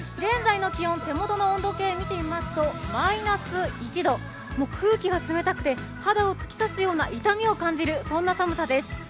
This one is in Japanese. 現在の気温、手元の温度計を見てみますとマイナス１度、空気が冷たくて肌を突き刺すような痛みを感じる寒さです。